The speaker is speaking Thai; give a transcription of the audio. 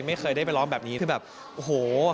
ไม่เคยได้ไปร้องแบบนี้คือแบบโอ้โห